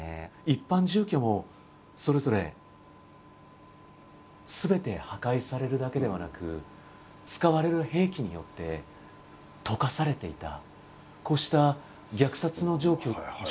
一般住居もそれぞれすべて破壊されるだけではなく使われる兵器によって溶かされていた。